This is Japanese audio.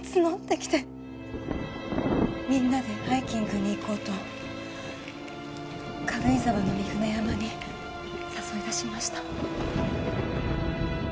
みんなでハイキングに行こうと軽井沢の三舟山に誘い出しました。